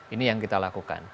ini yang kita lakukan